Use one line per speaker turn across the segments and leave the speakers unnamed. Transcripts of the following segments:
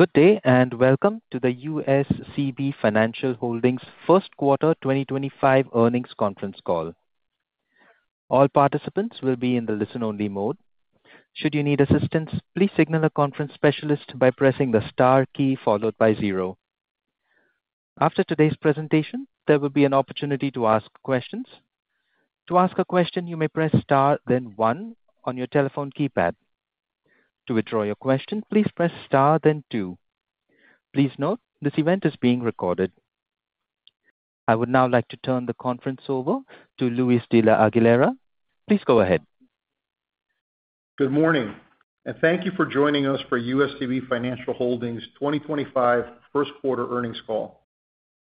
Good day and welcome to the USCB Financial Holdings First Quarter 2025 earnings conference call. All participants will be in listen-only mode. Should you need assistance, please press *0. After today’s presentation, there will be an opportunity to ask questions. To ask a question, press *1. To withdraw your question, press *2. Please note this event is being recorded. I would now like to turn the call over to Luis de la Aguilera, President and CEO. Please go ahead.
Good morning and thank you for joining us for USCB Financial Holdings 2025 First Quarter earnings call.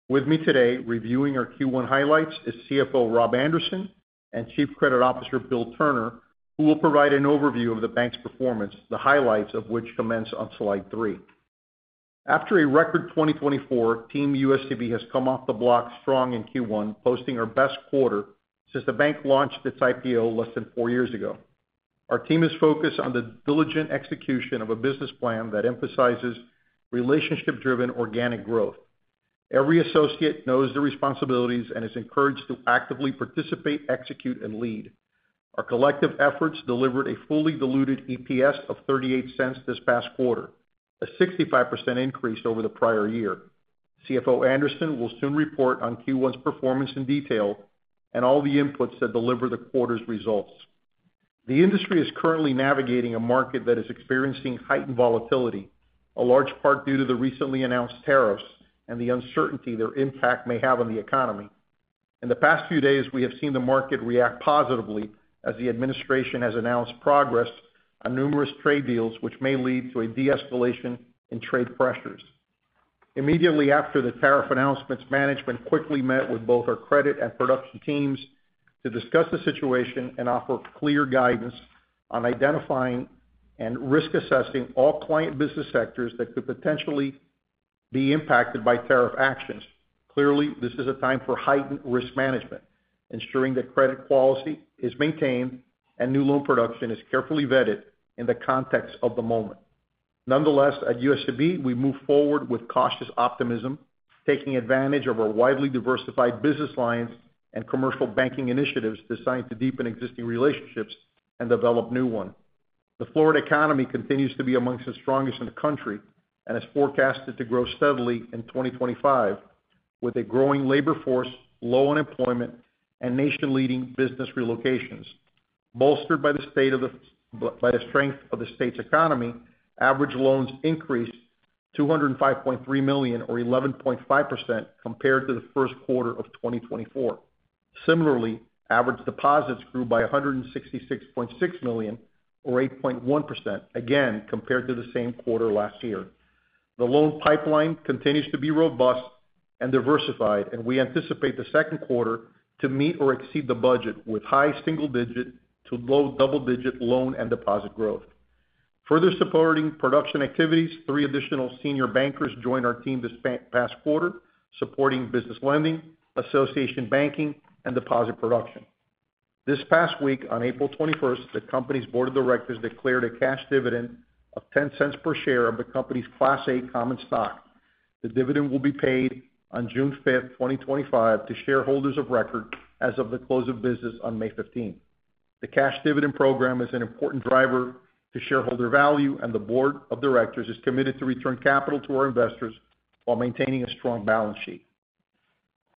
With me today reviewing our Q1 highlights is CFO Rob Anderson and Chief Credit Officer Bill Turner, who will provide an overview of the bank's performance, the highlights of which commence on slide three. After a record 2024, Team USCB has come off the block strong in Q1, posting our best quarter since the bank launched its IPO less than four years ago. Our team is focused on the diligent execution of a business plan that emphasizes relationship-driven organic growth. Every associate knows their responsibilities and is encouraged to actively participate, execute, and lead. Our collective efforts delivered a fully diluted EPS of $0.38 this past quarter, a 65% increase over the prior year. CFO Anderson will soon report on Q1's performance in detail and all the inputs that deliver the quarter's results. The industry is currently navigating a market that is experiencing heightened volatility, a large part due to the recently announced tariffs and the uncertainty their impact may have on the economy. In the past few days, we have seen the market react positively as the administration has announced progress on numerous trade deals, which may lead to a de-escalation in trade pressures. Immediately after the tariff announcements, management quickly met with both our credit and production teams to discuss the situation and offer clear guidance on identifying and risk assessing all client business sectors that could potentially be impacted by tariff actions. Clearly, this is a time for heightened risk management, ensuring that credit quality is maintained and new loan production is carefully vetted in the context of the moment. Nonetheless, at USCB, we move forward with cautious optimism, taking advantage of our widely diversified business lines and commercial banking initiatives designed to deepen existing relationships and develop new ones. The Florida economy continues to be amongst the strongest in the country and is forecasted to grow steadily in 2025, with a growing labor force, low unemployment, and nation-leading business relocations. Bolstered by the strength of the state's economy, average loans increased $205.3 million, or 11.5%, compared to the first quarter of 2024. Similarly, average deposits grew by $166.6 million, or 8.1%, again compared to the same quarter last year. The loan pipeline continues to be robust and diversified, and we anticipate the second quarter to meet or exceed the budget, with high single-digit to low double-digit loan and deposit growth. Further supporting production activities, three additional senior bankers joined our team this past quarter, supporting business lending, association banking, and deposit production. This past week, on April 21st, the company's board of directors declared a cash dividend of $0.10 per share of the company's Class A common stock. The dividend will be paid on June 5th, 2025, to shareholders of record as of the close of business on May 15th. The cash dividend program is an important driver to shareholder value, and the board of directors is committed to return capital to our investors while maintaining a strong balance sheet.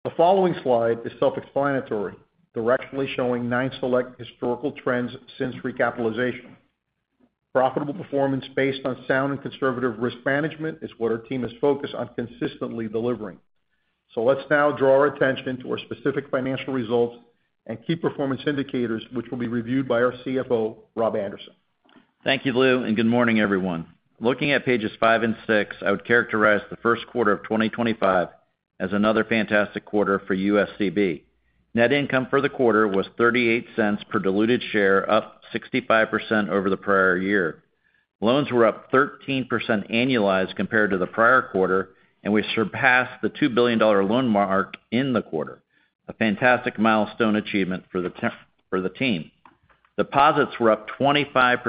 The following slide is self-explanatory, directly showing nine select historical trends since recapitalization. Profitable performance based on sound and conservative risk management is what our team is focused on consistently delivering. Let's now draw our attention to our specific financial results and key performance indicators, which will be reviewed by our CFO, Rob Anderson.
Thank you, Lou, and good morning, everyone. Looking at pages five and six, I would characterize the first quarter of 2025 as another fantastic quarter for USCB. Net income for the quarter was $0.38 per diluted share, up 65% over the prior year. Loans were up 13% annualized compared to the prior quarter, and we surpassed the $2 billion loan mark in the quarter, a fantastic milestone achievement for the team. Deposits were up 25%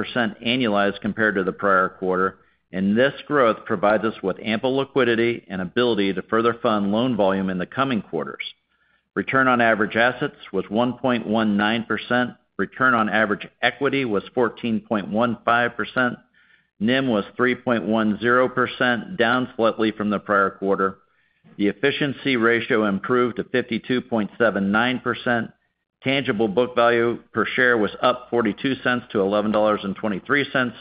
annualized compared to the prior quarter, and this growth provides us with ample liquidity and ability to further fund loan volume in the coming quarters. Return on average assets was 1.19%. Return on average equity was 14.15%. NIM was 3.10%, down slightly from the prior quarter. The efficiency ratio improved to 52.79%. Tangible book value per share was up $0.42 to $11.23,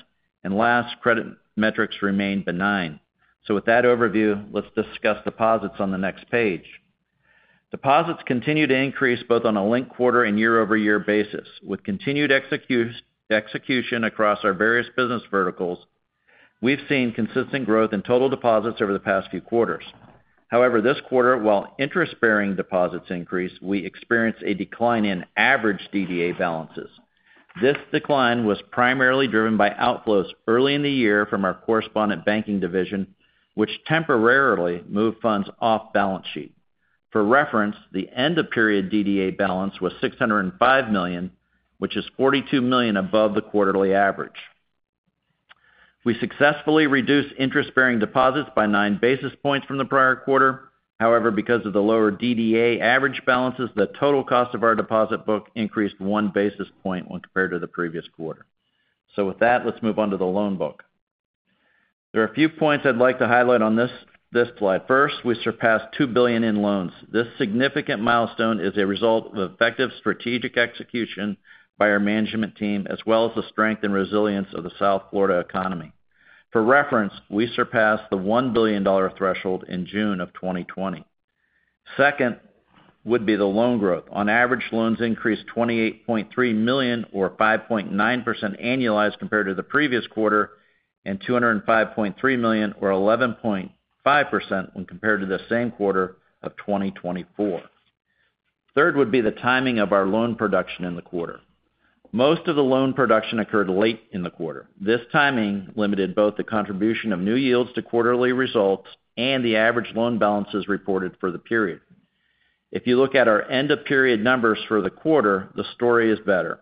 and last credit metrics remain benign. With that overview, let's discuss deposits on the next page. Deposits continue to increase both on a link quarter and year-over-year basis. With continued execution across our various business verticals, we've seen consistent growth in total deposits over the past few quarters. However, this quarter, while interest-bearing deposits increased, we experienced a decline in average DDA balances. This decline was primarily driven by outflows early in the year from our correspondent banking division, which temporarily moved funds off balance sheet. For reference, the end-of-period DDA balance was $605 million, which is $42 million above the quarterly average. We successfully reduced interest-bearing deposits by nine basis points from the prior quarter. However, because of the lower DDA average balances, the total cost of our deposit book increased one basis point when compared to the previous quarter. With that, let's move on to the loan book. There are a few points I'd like to highlight on this slide. First, we surpassed $2 billion in loans. This significant milestone is a result of effective strategic execution by our management team, as well as the strength and resilience of the South Florida economy. For reference, we surpassed the $1 billion threshold in June of 2020. Second would be the loan growth. On average, loans increased $28.3 million, or 5.9% annualized compared to the previous quarter, and $205.3 million, or 11.5%, when compared to the same quarter of 2024. Third would be the timing of our loan production in the quarter. Most of the loan production occurred late in the quarter. This timing limited both the contribution of new yields to quarterly results and the average loan balances reported for the period. If you look at our end-of-period numbers for the quarter, the story is better.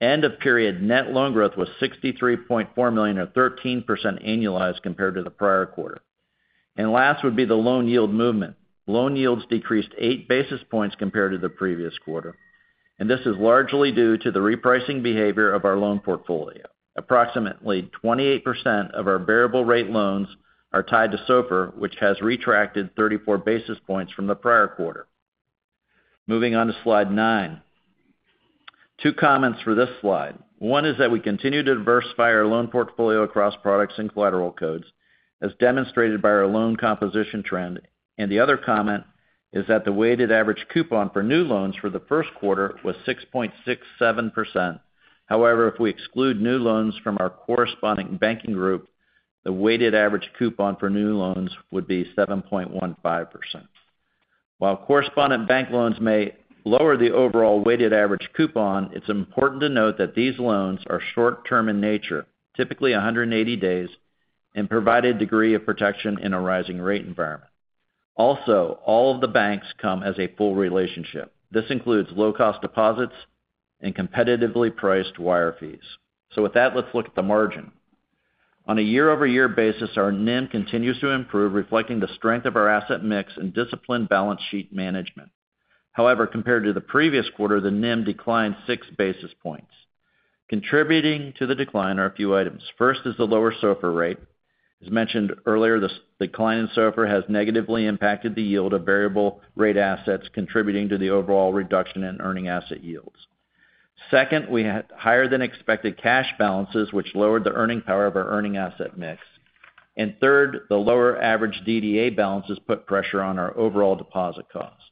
End-of-period net loan growth was $63.4 million, or 13% annualized compared to the prior quarter. Last would be the loan yield movement. Loan yields decreased eight basis points compared to the previous quarter, and this is largely due to the repricing behavior of our loan portfolio. Approximately 28% of our variable-rate loans are tied to SOFR, which has retracted 34 basis points from the prior quarter. Moving on to slide nine. Two comments for this slide. One is that we continue to diversify our loan portfolio across products and collateral codes, as demonstrated by our loan composition trend. The other comment is that the weighted average coupon for new loans for the first quarter was 6.67%. However, if we exclude new loans from our corresponding banking group, the weighted average coupon for new loans would be 7.15%. While correspondent bank loans may lower the overall weighted average coupon, it's important to note that these loans are short-term in nature, typically 180 days, and provide a degree of protection in a rising rate environment. Also, all of the banks come as a full relationship. This includes low-cost deposits and competitively priced wire fees. With that, let's look at the margin. On a year-over-year basis, our NIM continues to improve, reflecting the strength of our asset mix and disciplined balance sheet management. However, compared to the previous quarter, the NIM declined six basis points. Contributing to the decline are a few items. First is the lower SOFR rate. As mentioned earlier, the decline in SOFR has negatively impacted the yield of variable-rate assets, contributing to the overall reduction in earning asset yields. Second, we had higher-than-expected cash balances, which lowered the earning power of our earning asset mix. Third, the lower average DDA balances put pressure on our overall deposit costs.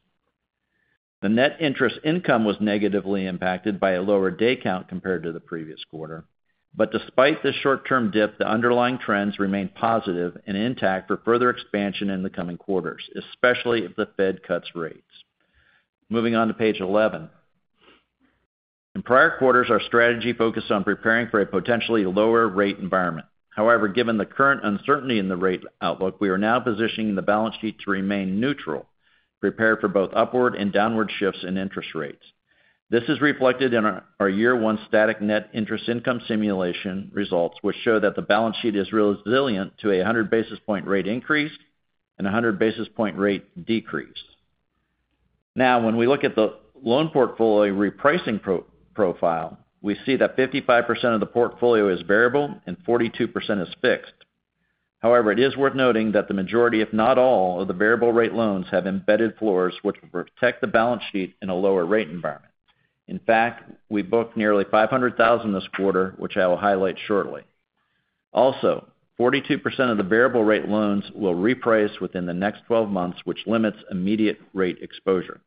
The net interest income was negatively impacted by a lower day count compared to the previous quarter. Despite the short-term dip, the underlying trends remain positive and intact for further expansion in the coming quarters, especially if the Fed cuts rates. Moving on to page 11. In prior quarters, our strategy focused on preparing for a potentially lower rate environment. However, given the current uncertainty in the rate outlook, we are now positioning the balance sheet to remain neutral, prepared for both upward and downward shifts in interest rates. This is reflected in our year-one static net interest income simulation results, which show that the balance sheet is resilient to a 100-basis-point rate increase and 100-basis-point rate decrease. Now, when we look at the loan portfolio repricing profile, we see that 55% of the portfolio is variable and 42% is fixed. However, it is worth noting that the majority, if not all, of the variable-rate loans have embedded floors, which will protect the balance sheet in a lower rate environment. In fact, we booked nearly $500,000 this quarter, which I will highlight shortly. Also, 42% of the variable-rate loans will reprice within the next 12 months, which limits immediate rate exposure.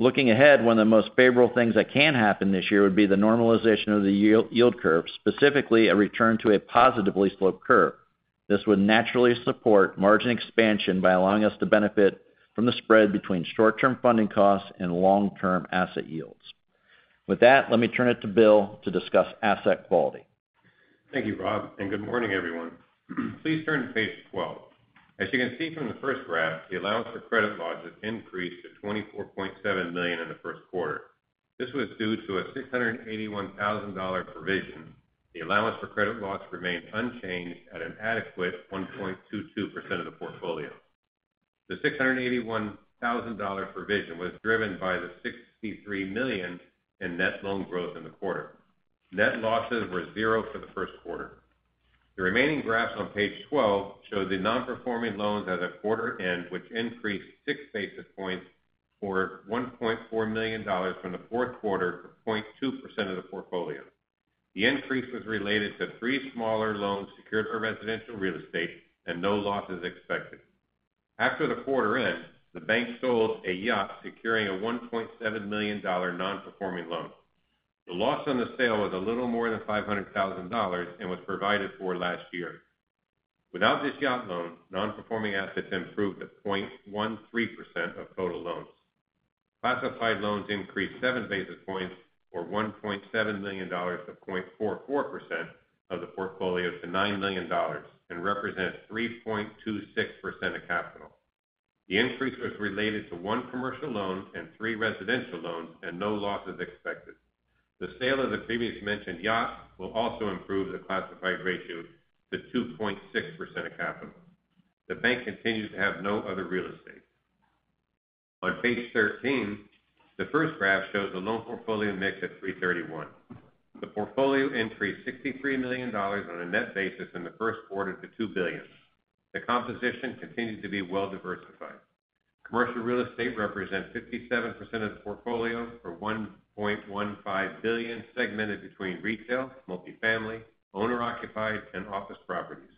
Looking ahead, one of the most favorable things that can happen this year would be the normalization of the yield curve, specifically a return to a positively sloped curve. This would naturally support margin expansion by allowing us to benefit from the spread between short-term funding costs and long-term asset yields. With that, let me turn it to Bill to discuss asset quality.
Thank you, Rob, and good morning, everyone. Please turn to page 12. As you can see from the first graph, the allowance for credit losses increased to $24.7 million in the first quarter. This was due to a $681,000 provision. The allowance for credit loss remained unchanged at an adequate 1.22% of the portfolio. The $681,000 provision was driven by the $63 million in net loan growth in the quarter. Net losses were zero for the first quarter. The remaining graphs on page 12 show the non-performing loans at the quarter end, which increased six basis points for $1.4 million from the fourth quarter to 0.2% of the portfolio. The increase was related to three smaller loans secured for residential real estate, and no loss is expected. After the quarter end, the bank sold a yacht securing a $1.7 million non-performing loan. The loss on the sale was a little more than $500,000 and was provided for last year. Without this yacht loan, non-performing assets improved to 0.13% of total loans. Classified loans increased seven basis points or $1.7 million to 0.44% of the portfolio to $9 million and represent 3.26% of capital. The increase was related to one commercial loan and three residential loans, and no loss is expected. The sale of the previously mentioned yacht will also improve the classified ratio to 2.6% of capital. The bank continues to have no other real estate. On page 13, the first graph shows the loan portfolio mix at $331. The portfolio increased $63 million on a net basis in the first quarter to $2 billion. The composition continues to be well-diversified. Commercial real estate represents 57% of the portfolio for $1.15 billion, segmented between retail, multifamily, owner-occupied, and office properties.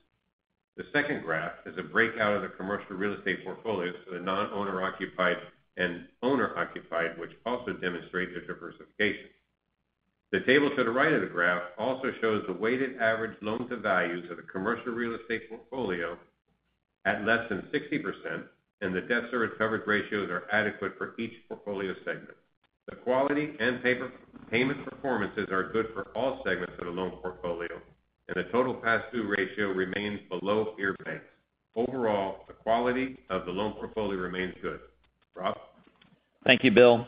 The second graph is a breakout of the commercial real estate portfolios to the non-owner-occupied and owner-occupied, which also demonstrates a diversification. The table to the right of the graph also shows the weighted average loan-to-values of the commercial real estate portfolio at less than 60%, and the debt-service coverage ratios are adequate for each portfolio segment. The quality and payment performances are good for all segments of the loan portfolio, and the total passthrough ratio remains below peer banks. Overall, the quality of the loan portfolio remains good. Rob?
Thank you, Bill.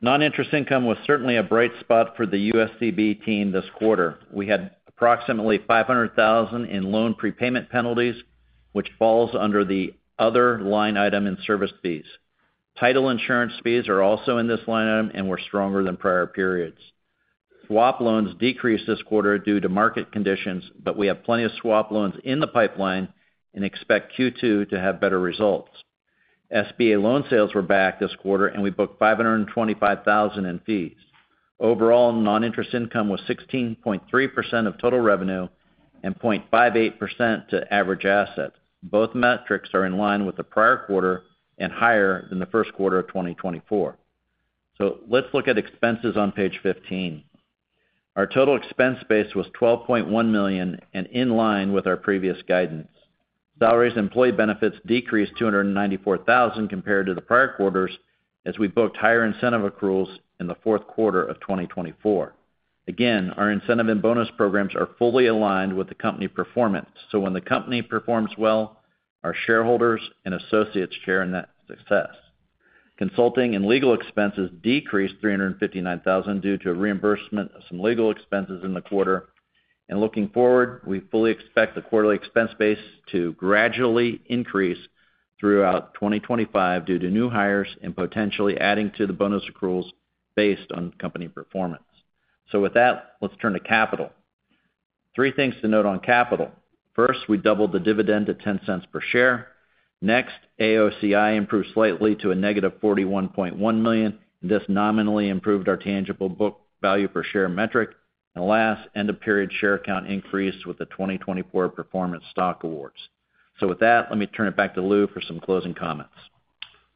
Non-interest income was certainly a bright spot for the USCB team this quarter. We had approximately $500,000 in loan prepayment penalties, which falls under the other line item in service fees. Title insurance fees are also in this line item and were stronger than prior periods. Swap loans decreased this quarter due to market conditions, but we have plenty of swap loans in the pipeline and expect Q2 to have better results. SBA loan sales were back this quarter, and we booked $525,000 in fees. Overall, non-interest income was 16.3% of total revenue and 0.58% to average assets. Both metrics are in line with the prior quarter and higher than the first quarter of 2024. Let's look at expenses on page 15. Our total expense base was $12.1 million and in line with our previous guidance. Salaries and employee benefits decreased $294,000 compared to the prior quarters as we booked higher incentive accruals in the fourth quarter of 2024. Again, our incentive and bonus programs are fully aligned with the company performance. When the company performs well, our shareholders and associates share in that success. Consulting and legal expenses decreased $359,000 due to reimbursement of some legal expenses in the quarter. Looking forward, we fully expect the quarterly expense base to gradually increase throughout 2025 due to new hires and potentially adding to the bonus accruals based on company performance. With that, let's turn to capital. Three things to note on capital. First, we doubled the dividend to $0.10 per share. Next, AOCI improved slightly to a negative $41.1 million. This nominally improved our tangible book value per share metric. Last, end-of-period share count increased with the 2024 performance stock awards. With that, let me turn it back to Lou for some closing comments.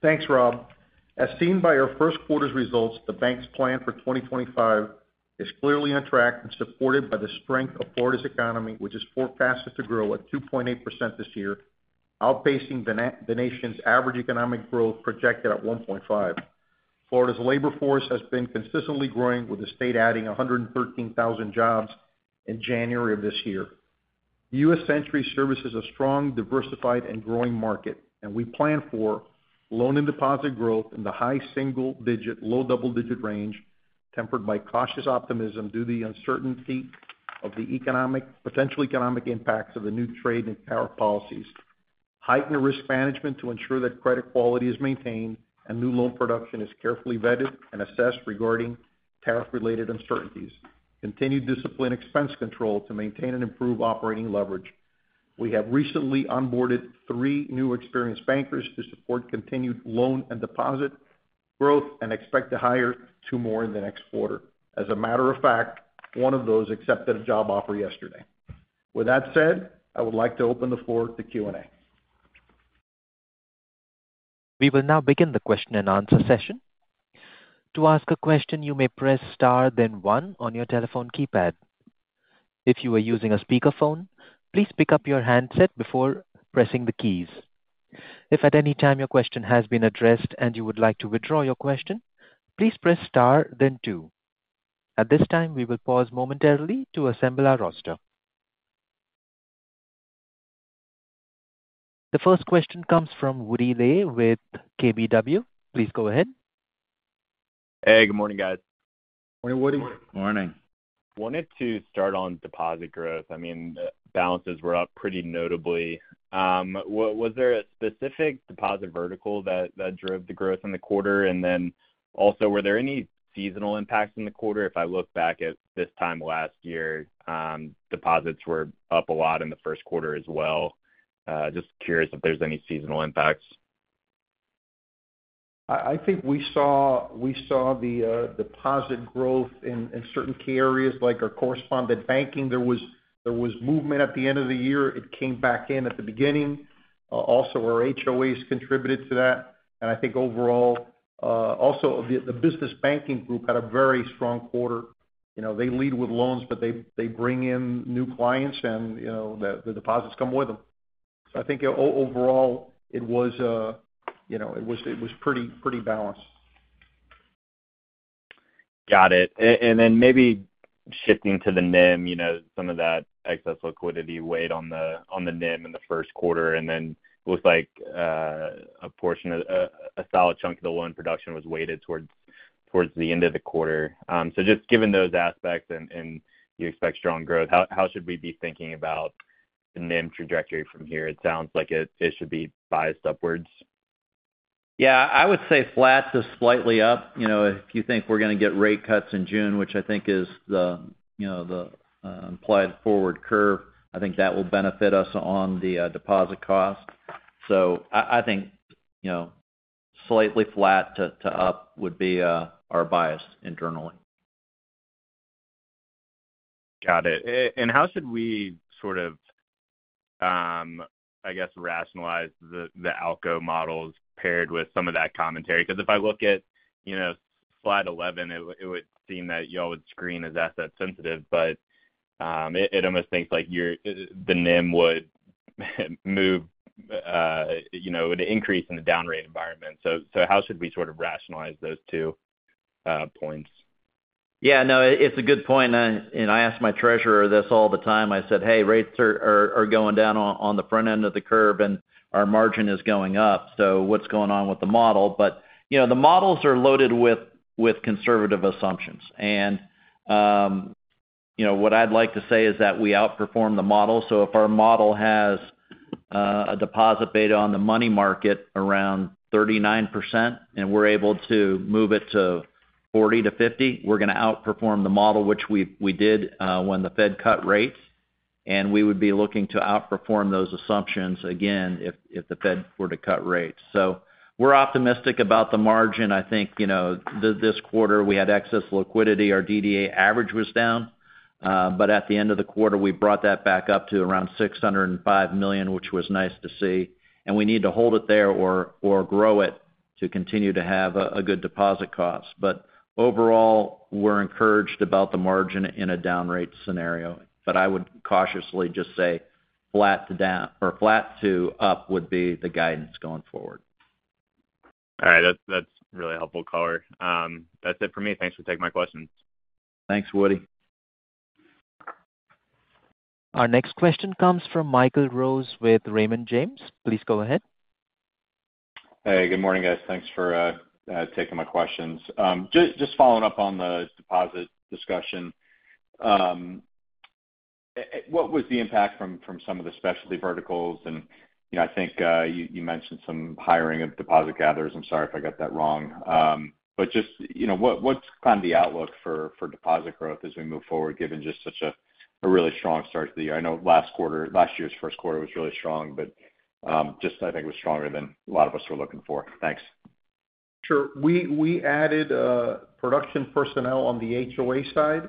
Thanks, Rob. As seen by our first quarter's results, the bank's plan for 2025 is clearly on track and supported by the strength of Florida's economy, which is forecasted to grow at 2.8% this year, outpacing the nation's average economic growth projected at 1.5%. Florida's labor force has been consistently growing, with the state adding 113,000 jobs in January of this year. USCB Financial Holdings services a strong, diversified, and growing market, and we plan for loan and deposit growth in the high single-digit, low double-digit range, tempered by cautious optimism due to the uncertainty of the potential economic impacts of the new trade and tariff policies. Heightened risk management to ensure that credit quality is maintained and new loan production is carefully vetted and assessed regarding tariff-related uncertainties. Continued discipline expense control to maintain and improve operating leverage. We have recently onboarded three new experienced bankers to support continued loan and deposit growth and expect to hire two more in the next quarter. As a matter of fact, one of those accepted a job offer yesterday. With that said, I would like to open the floor to Q&A.
We will now begin the question and answer session. To ask a question, you may press Star, then 1 on your telephone keypad. If you are using a speakerphone, please pick up your handset before pressing the keys. If at any time your question has been addressed and you would like to withdraw your question, please press Star, then 2. At this time, we will pause momentarily to assemble our roster. The first question comes from Woody Leigh with KBW. Please go ahead.
Hey, good morning, guys.
Morning, Woody.
Morning. Wanted to start on deposit growth. I mean, balances were up pretty notably. Was there a specific deposit vertical that drove the growth in the quarter? Also, were there any seasonal impacts in the quarter? If I look back at this time last year, deposits were up a lot in the first quarter as well. Just curious if there's any seasonal impacts.
I think we saw the deposit growth in certain key areas like our correspondent banking. There was movement at the end of the year. It came back in at the beginning. Also, our HOAs contributed to that. I think overall, also the business banking group had a very strong quarter. They lead with loans, but they bring in new clients and the deposits come with them. I think overall, it was pretty balanced.
Got it. Maybe shifting to the NIM, some of that excess liquidity weighed on the NIM in the first quarter. It looks like a portion, a solid chunk of the loan production was weighted towards the end of the quarter. Just given those aspects and you expect strong growth, how should we be thinking about the NIM trajectory from here? It sounds like it should be biased upwards.
Yeah, I would say flat to slightly up. If you think we're going to get rate cuts in June, which I think is the implied forward curve, I think that will benefit us on the deposit cost. I think slightly flat to up would be our bias internally.
Got it. How should we sort of, I guess, rationalize the ALCO models paired with some of that commentary? Because if I look at slide 11, it would seem that y'all would screen as asset-sensitive, but it almost thinks like the NIM would move, would increase in the down rate environment. How should we sort of rationalize those two points?
Yeah, no, it's a good point. I ask my treasurer this all the time. I said, "Hey, rates are going down on the front end of the curve and our margin is going up. What's going on with the model?" The models are loaded with conservative assumptions. What I'd like to say is that we outperform the model. If our model has a deposit beta on the money market around 39% and we're able to move it to 40-50%, we're going to outperform the model, which we did when the Fed cut rates. We would be looking to outperform those assumptions again if the Fed were to cut rates. We're optimistic about the margin. I think this quarter we had excess liquidity. Our DDA average was down. At the end of the quarter, we brought that back up to around $605 million, which was nice to see. We need to hold it there or grow it to continue to have a good deposit cost. Overall, we're encouraged about the margin in a down rate scenario. I would cautiously just say flat to up would be the guidance going forward.
All right. That's really helpful, Collar. That's it for me. Thanks for taking my questions.
Thanks, Woody.
Our next question comes from Michael Rose with Raymond James. Please go ahead.
Hey, good morning, guys. Thanks for taking my questions. Just following up on the deposit discussion. What was the impact from some of the specialty verticals? I think you mentioned some hiring of deposit gatherers. I'm sorry if I got that wrong. Just what's kind of the outlook for deposit growth as we move forward, given just such a really strong start to the year? I know last quarter, last year's first quarter was really strong, but I think it was stronger than a lot of us were looking for. Thanks.
Sure. We added production personnel on the HOA side.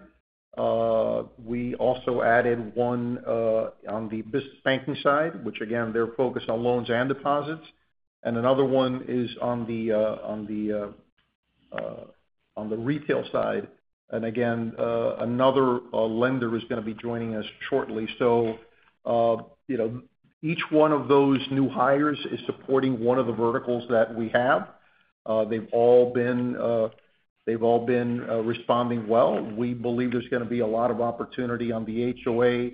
We also added one on the business banking side, which again, they're focused on loans and deposits. Another one is on the retail side. Again, another lender is going to be joining us shortly. Each one of those new hires is supporting one of the verticals that we have. They've all been responding well. We believe there's going to be a lot of opportunity on the HOA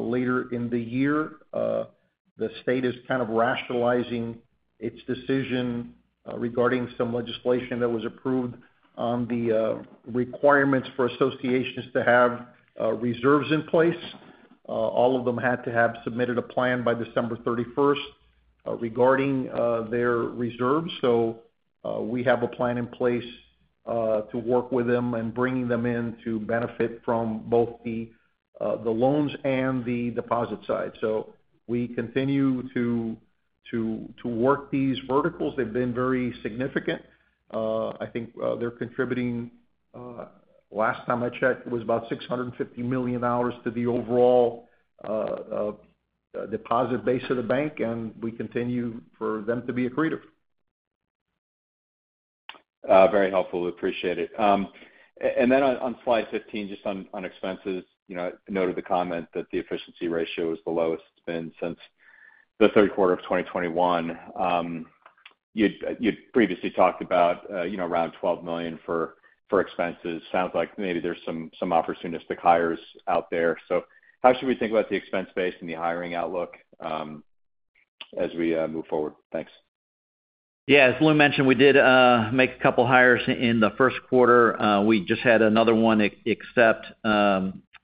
later in the year. The state is kind of rationalizing its decision regarding some legislation that was approved on the requirements for associations to have reserves in place. All of them had to have submitted a plan by December 31 regarding their reserves. We have a plan in place to work with them and bringing them in to benefit from both the loans and the deposit side. We continue to work these verticals. They've been very significant. I think they're contributing. Last time I checked, it was about $650 million to the overall deposit base of the bank, and we continue for them to be accretive.
Very helpful. Appreciate it. On slide 15, just on expenses, I noted the comment that the efficiency ratio has been lowest since the third quarter of 2021. You'd previously talked about around $12 million for expenses. Sounds like maybe there's some opportunistic hires out there. How should we think about the expense base and the hiring outlook as we move forward? Thanks.
Yeah. As Lou mentioned, we did make a couple of hires in the first quarter. We just had another one except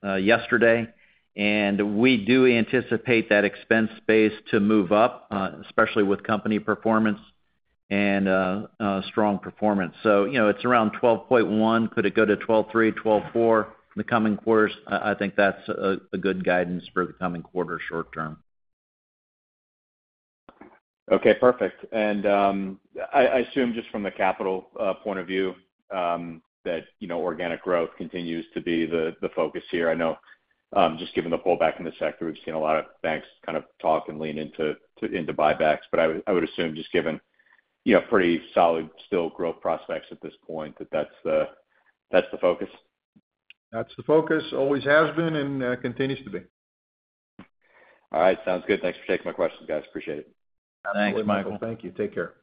yesterday. We do anticipate that expense base to move up, especially with company performance and strong performance. It is around $12.1. Could it go to $12.3-$12.4 in the coming quarters? I think that is a good guidance for the coming quarter short term.
Okay. Perfect. I assume just from the capital point of view that organic growth continues to be the focus here. I know just given the pullback in the sector, we've seen a lot of banks kind of talk and lean into buybacks. I would assume just given pretty solid still growth prospects at this point that that's the focus.
That's the focus. Always has been and continues to be.
All right. Sounds good. Thanks for taking my questions, guys. Appreciate it.
Thanks, Michael. Thank you. Take care.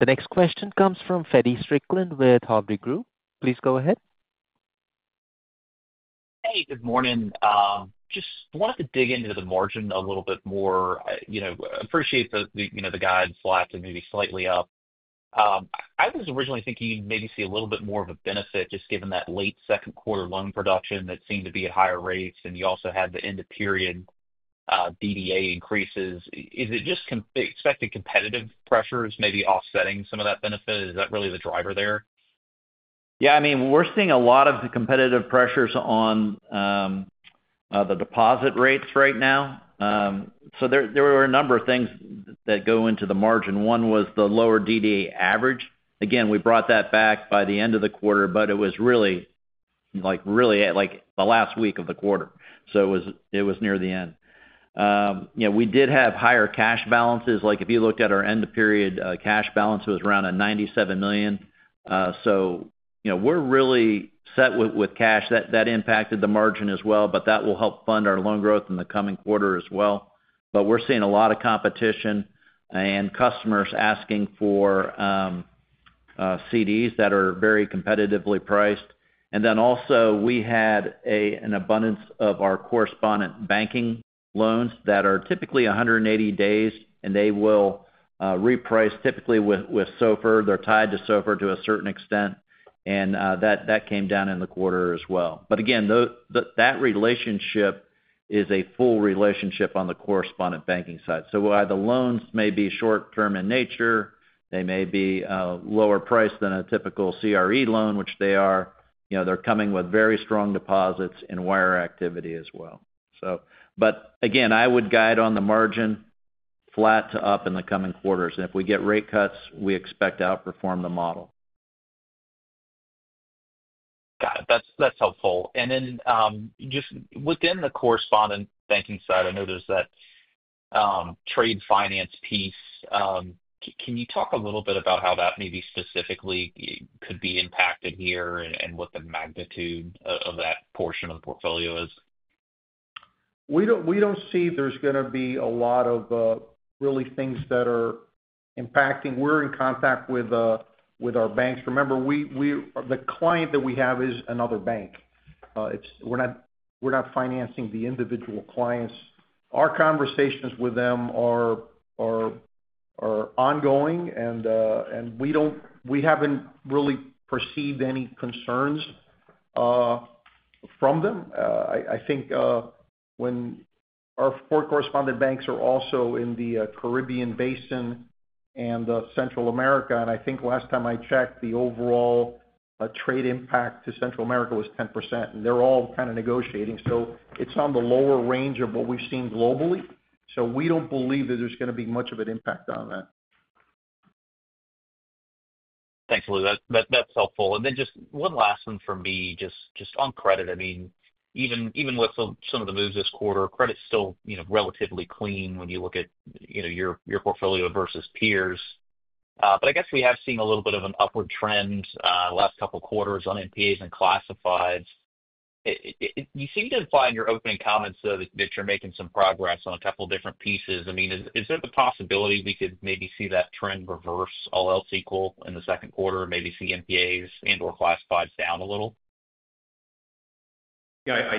The next question comes from Freddie Strickland with Halberdy Group. Please go ahead.
Hey, good morning. Just wanted to dig into the margin a little bit more. Appreciate the guide slide to maybe slightly up. I was originally thinking you'd maybe see a little bit more of a benefit just given that late second quarter loan production that seemed to be at higher rates, and you also had the end-of-period DDA increases. Is it just expected competitive pressures maybe offsetting some of that benefit? Is that really the driver there?
Yeah. I mean, we're seeing a lot of the competitive pressures on the deposit rates right now. There were a number of things that go into the margin. One was the lower DDA average. Again, we brought that back by the end of the quarter, but it was really the last week of the quarter. It was near the end. We did have higher cash balances. If you looked at our end-of-period cash balance, it was around $97 million. We're really set with cash. That impacted the margin as well, but that will help fund our loan growth in the coming quarter as well. We're seeing a lot of competition and customers asking for CDs that are very competitively priced. We had an abundance of our correspondent banking loans that are typically 180 days, and they will reprice typically with SOFR. They're tied to SOFR to a certain extent. That came down in the quarter as well. Again, that relationship is a full relationship on the correspondent banking side. While the loans may be short-term in nature, they may be lower priced than a typical CRE loan, which they are. They're coming with very strong deposits and wire activity as well. I would guide on the margin flat to up in the coming quarters. If we get rate cuts, we expect to outperform the model.
Got it. That's helpful. Just within the correspondent banking side, I know there's that trade finance piece. Can you talk a little bit about how that maybe specifically could be impacted here and what the magnitude of that portion of the portfolio is?
We don't see there's going to be a lot of really things that are impacting. We're in contact with our banks. Remember, the client that we have is another bank. We're not financing the individual clients. Our conversations with them are ongoing, and we haven't really perceived any concerns from them. I think when our correspondent banks are also in the Caribbean Basin and Central America, and I think last time I checked, the overall trade impact to Central America was 10%. They're all kind of negotiating. It's on the lower range of what we've seen globally. We don't believe that there's going to be much of an impact on that.
Thanks, Lou. That's helpful. Just one last one for me, just on credit. I mean, even with some of the moves this quarter, credit's still relatively clean when you look at your portfolio versus peers. I guess we have seen a little bit of an upward trend the last couple of quarters on NPAs and classifieds. You seem to find your opening comments that you're making some progress on a couple of different pieces. I mean, is there the possibility we could maybe see that trend reverse, all else equal, in the second quarter, maybe see NPAs and/or classifieds down a little? Yeah. I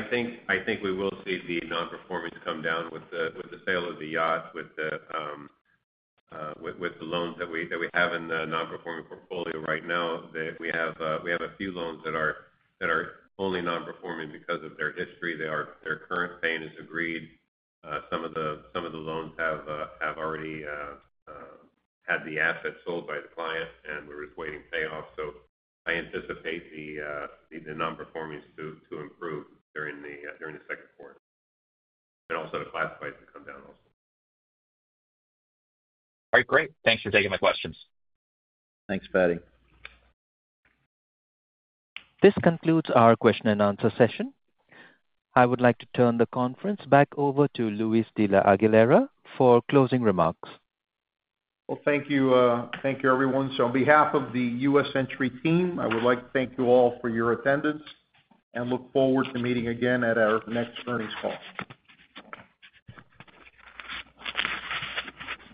think we will see the non-performing come down with the sale of the yachts, with the loans that we have in the non-performing portfolio right now. We have a few loans that are only non-performing because of their history. Their current payment is agreed. Some of the loans have already had the asset sold by the client, and we're just waiting payoff. I anticipate the non-performing to improve during the second quarter. I also anticipate the classifieds to come down. All right. Great. Thanks for taking my questions.
Thanks, Patty.
This concludes our question and answer session. I would like to turn the conference back over to Luis de la Aguilera for closing remarks.
Thank you, everyone. On behalf of the USCB team, I would like to thank you all for your attendance and look forward to meeting again at our next earnings call.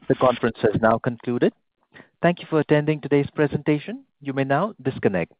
The conference has now concluded. Thank you for attending today's presentation. You may now disconnect.